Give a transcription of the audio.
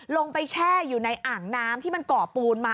แช่อยู่ในอ่างน้ำที่มันก่อปูนมา